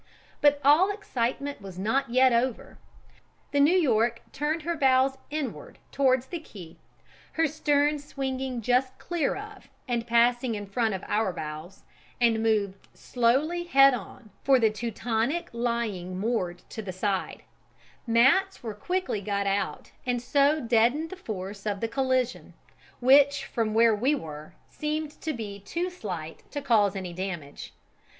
But all excitement was not yet over: the New York turned her bows inward towards the quay, her stern swinging just clear of and passing in front of our bows, and moved slowly head on for the Teutonic lying moored to the side; mats were quickly got out and so deadened the force of the collision, which from where we were seemed to be too slight to cause any damage.